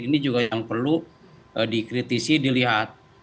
ini juga yang perlu dikritisi dilihat